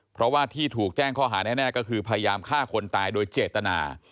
เพราะว่าที่ถูกแจ้งข้อหาแน่ก็คือพยายามฆ่าคนตายโดยเจตนา